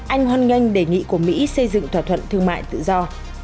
anh hoan nghênh đề nghị của mỹ xây dựng thỏa thuận thương mại tự do